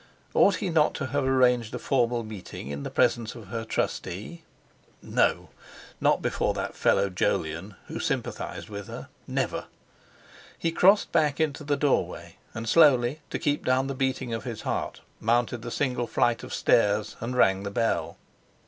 Ought he not to have arranged a formal meeting in the presence of her trustee? No! Not before that fellow Jolyon, who sympathised with her! Never! He crossed back into the doorway, and, slowly, to keep down the beating of his heart, mounted the single flight of stairs and rang the bell.